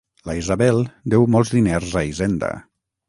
La Isabel deu molts diners a Hisenda.